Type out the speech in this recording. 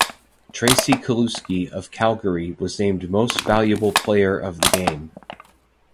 Tracey Kelusky of Calgary was named Most Valuable Player of the game.